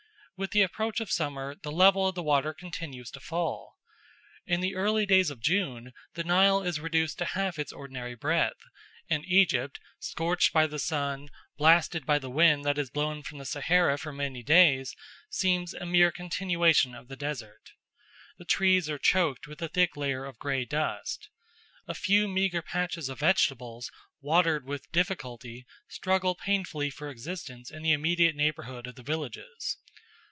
With the approach of summer the level of the water continues to fall. In the early days of June the Nile is reduced to half its ordinary breadth; and Egypt, scorched by the sun, blasted by the wind that has blown from the Sahara for many days, seems a mere continuation of the desert. The trees are choked with a thick layer of grey dust. A few meagre patches of vegetables, watered with difficulty, struggle painfully for existence in the immediate neighbourhood of the villages.